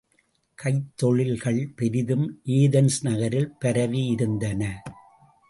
கைத்தொழில்கள் பெரிதும் ஏதென்ஸ் நகரில் பரவி இருந்தன.